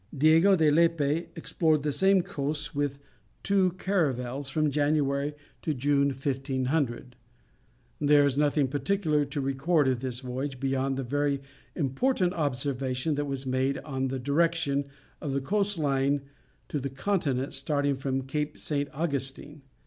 Diego de Lepe explored the same coasts with two caravels from January to June, 1500; there is nothing particular to record of this voyage beyond the very important observation that was made on the direction of the coast line of the continent starting from Cape St. Augustine.